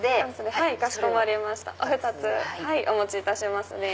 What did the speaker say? はいお持ちいたしますね。